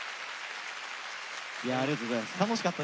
いやありがとうございました。